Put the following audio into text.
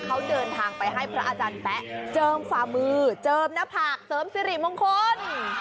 เขาเดินทางไปให้พระอาจารย์แป๊ะเจิมฝ่ามือเจิมหน้าผากเสริมสิริมงคล